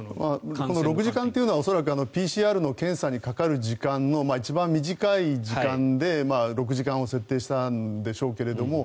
６時間というのは恐らくＰＣＲの検査にかかる時間の一番短い時間で６時間を設定したんでしょうけども